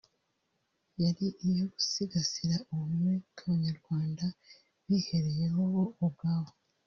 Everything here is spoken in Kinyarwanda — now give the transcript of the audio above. yari iyo gusigasira ubumwe bw’Abanyarwanda bihereyeho bo ubwabo